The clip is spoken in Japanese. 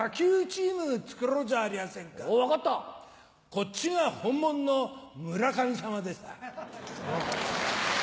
こっちが本物の村上様でさぁ。